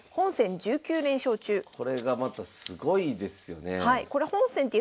これがまたすごいですよねえ。